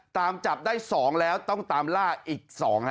ตามจับได้๒แล้วต้องตามล่าอีก๒